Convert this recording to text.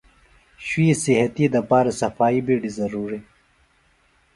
شُوئی صحتی دپارہ صفائی بِیڈیۡ ضروریۡ۔